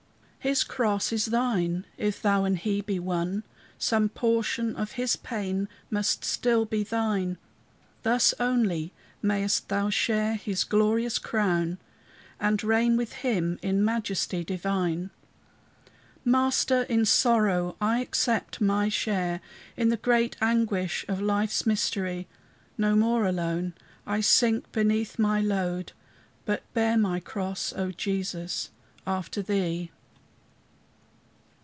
His cross is thine. If thou and he be one, Some portion of his pain must still be thine; Thus only mayst thou share his glorious crown, And reign with him in majesty divine. Master in sorrow! I accept my share In the great anguish of life's mystery. No more, alone, I sink beneath my load, But bear my cross, O Jesus, after thee.